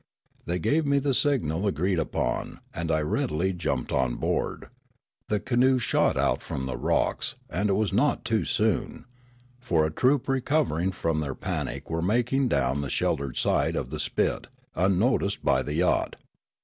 They gave me the signal agreed upon, and I readily jumped on board. The canoe shot out from the rocks. And it was not too soon. For a troop, recov^ering from their panic, were making down the sheltered side of the spit, unnoticed by the yacht.